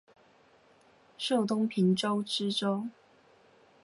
授东平州知州。